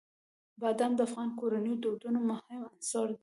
بادام د افغان کورنیو د دودونو مهم عنصر دی.